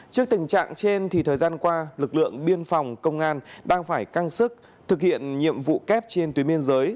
trước tình trạng trên thì thời gian qua lực lượng biên phòng công an đang phải căng sức thực hiện nhiệm vụ kép trên tuyến biên giới